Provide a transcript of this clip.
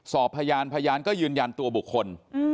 สอบพยานพยานก็ยืนยันตัวบุคคล